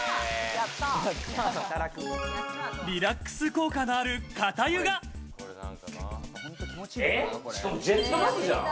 リラックス効果のある肩湯がしかもジェットバスじゃん。